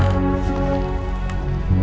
dia hampir sampai